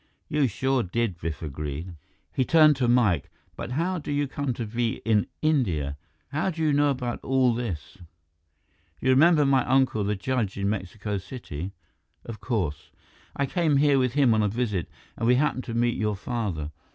"You sure did," Biff agreed. He turned to Mike. "But how do you come to be in India? How do you know about all this?" "You remember my uncle, the judge in Mexico City?" "Of course." "I came here with him on a visit, and we happened to meet your father.